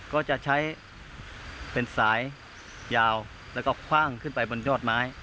ก็จะใช้เป็นสายยาวแล้วก็คว่างขึ้นไปบนยอดไม้